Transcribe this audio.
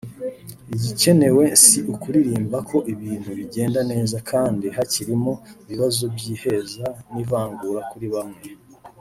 Igikenewe si ukuririmba ko ibintu bigenda neza kandi hakirimo ibibazo by’iheza n’ivangura kuri bamwe